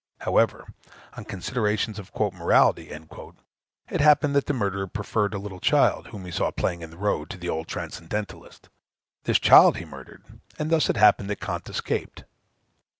However, on considerations of "morality," it happened that the murderer preferred a little child, whom he saw playing in the road, to the old transcendentalist: this child he murdered; and thus it happened that Kant escaped.